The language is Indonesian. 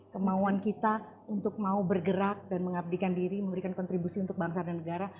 kemauan kita untuk mau bergerak dan mengabdikan diri memberikan kontribusi untuk bangsa dan negara